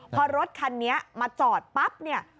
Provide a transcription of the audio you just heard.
พอรถคันนี้มาจอดปั๊บเนี่ย